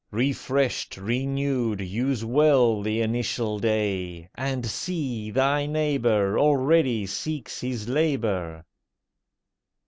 Refreshed, renewed, use well the initial day. And see! thy neighbour Already seeks his labour.